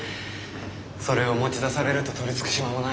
それを持ち出されると取りつく島もない。